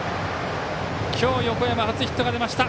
今日、横山初ヒットが出ました。